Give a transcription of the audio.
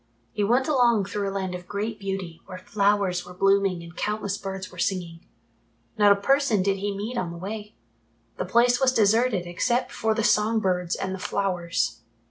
He went along through a land of great beauty where flowers were blooming and countless birds were singing. Not a person did he meet on the way. The place was deserted except for the song birds and the flowers.